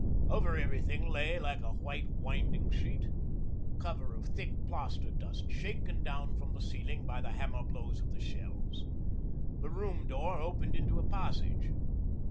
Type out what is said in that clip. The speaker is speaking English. Over everything lay, like a white winding sheet, the cover of thick plaster dust shaken down from the ceiling by the hammer blows of the shells. The room door opened into a passage.